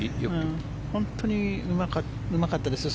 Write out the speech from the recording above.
本当にうまかったですよ